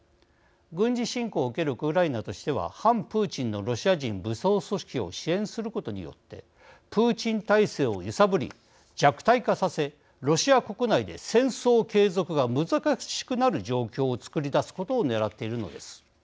軍事侵攻を受けるウクライナとしては反プーチンのロシア人武装組織を支援することによってプーチン体制を揺さぶり弱体化させ、ロシア国内で戦争継続が難しくなる状況を作り出すことをねらっているのです。